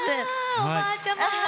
おばあちゃま！